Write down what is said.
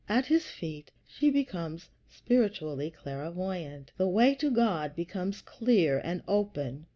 At his feet she becomes spiritually clairvoyant. The way to God becomes clear and open.